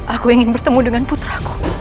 aku ingin bertemu dengan puter aku